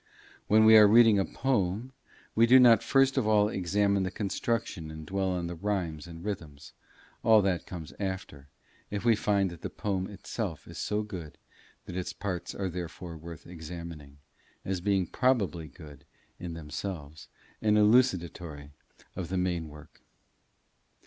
When we are reading a poem, we do not first of all examine the construction and dwell on the rhymes and rhythms; all that comes after, if we find that the poem itself is so good that its parts are therefore worth examining, as being probably good in themselves, and elucidatory of the main work.